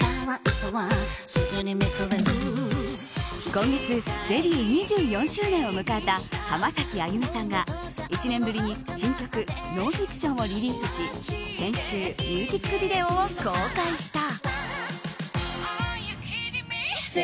今月デビュー２４周年を迎えた浜崎あゆみさんが１年ぶりに新曲「Ｎｏｎｆｉｃｔｉｏｎ」をリリースし、先週ミュージックビデオを公開した。